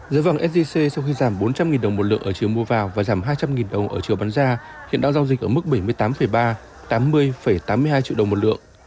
giá vàng sgc sau khi giảm bốn trăm linh đồng một lượng ở chiều mua vào và giảm hai trăm linh đồng ở chiều bán ra hiện đang giao dịch ở mức bảy mươi tám ba tám mươi tám mươi hai triệu đồng một lượng